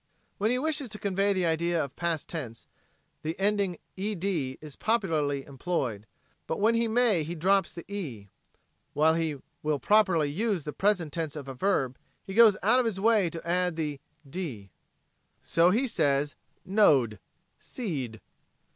When he wishes to convey the idea of past tense, the ending "ed" is popularly employed, but when he may he drops the "e." While he will properly use the present tense of a verb he goes out of his way to add the "(e)d." So he says "know d," "see d."